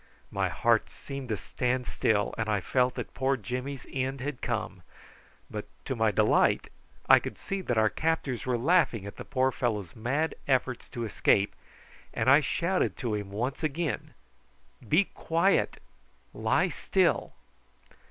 My heart seemed to stand still, and I felt that poor Jimmy's end had come, but to my delight I could see that our captors were laughing at the poor fellow's mad efforts to escape, and I shouted to him once again: "Be quiet! Lie still!"